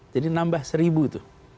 jadi nambah satu itu